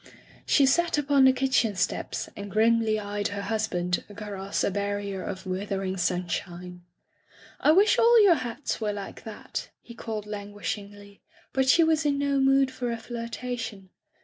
She sat upon the kitchen steps and grimly eyed her husband across a barrier of withering sunshine. "I wish all your hats were like that,'* he called languishingly, but she was in no mood for a flirtation.